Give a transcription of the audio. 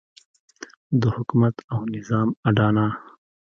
د حکومت او نظام اډانه.